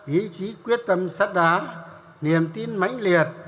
ý chí quyết tâm sát đá niềm tin mạnh liệt